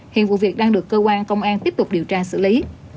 hiện vụ việc đang được cơ quan công an tiếp tục điều tra xử lý